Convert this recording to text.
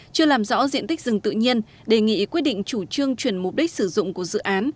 chưa làm rõ diện tích rừng tự nhiên đề nghị quyết định chủ trương chuyển mục đích sử dụng của dự án